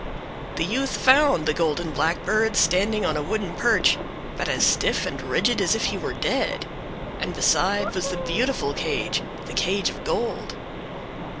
The youth found the golden blackbird standing on a wooden perch, but as stiff and rigid as if he was dead. And beside, was the beautiful cage, the cage of gold.